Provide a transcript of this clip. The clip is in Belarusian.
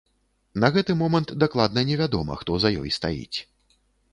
На гэты момант дакладна не вядома, хто за ёй стаіць.